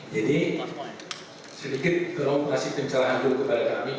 jadi sedikit tolong kasih pencerahan dulu kepada kami